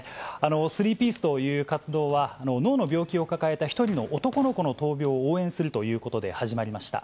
スリーピースという活動は、脳の病気を抱えた１人の男の子の闘病を応援するということで始まりました。